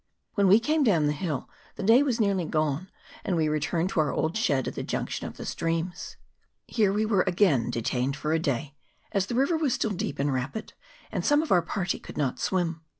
When we came G 2 84 THE VALLEY OF [PART I. down the hill, the day was nearly gone, and we re turned to our old shed at the junction of the streams. Here we were again detained for a day, as the river was still deep and rapid, and some of our party could not swim.